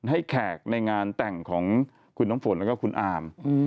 แขกในงานแต่งของคุณน้ำฝนแล้วก็คุณอาม